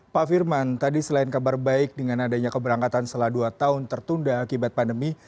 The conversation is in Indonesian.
pak firman tadi selain kabar baik dengan adanya keberangkatan setelah dua tahun tertunda akibat pandemi